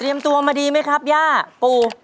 อันดับมาดีไหมครับย่าปู